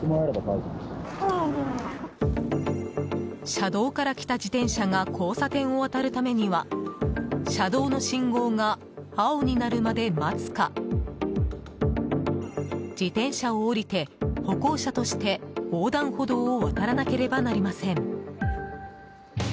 車道から来た自転車が交差点を渡るためには車道の信号が青になるまで待つか自転車を降りて歩行者として、横断歩道を渡らなければなりません。